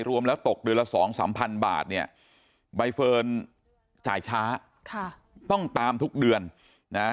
รวมแล้วตกเดือนละสองสามพันบาทเนี่ยใบเฟิร์นจ่ายช้าค่ะต้องตามทุกเดือนนะฮะ